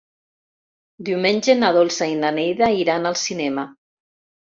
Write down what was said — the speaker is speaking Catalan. Diumenge na Dolça i na Neida iran al cinema.